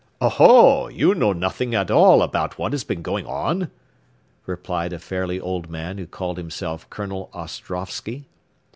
"Oh, ho, you know nothing at all about what has been going on?" replied a fairly old man who called himself Colonel Ostrovsky.